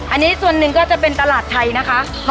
อันนี้ส่วนหนึ่งก็จะเป็นตลาดไทยนะคะ